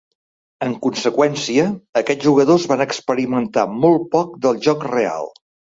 En conseqüència, aquests jugadors van experimentar molt poc del joc real.